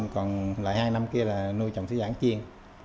còn lại hai năm kia là nuôi trồng thủy sản kia